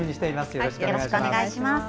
よろしくお願いします。